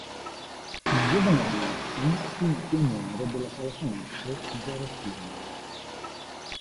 Il giovane Marsan fu un pioniere della pallacanestro zaratina.